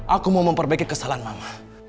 aku mau memperbaiki kesalahan mama